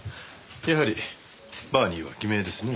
やはりバーニーは偽名ですね。